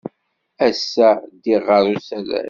Ass-a, ddiɣ ɣer usalay.